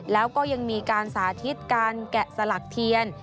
แล้วก็ยังมีการสาธิตการแกะสลักเทียน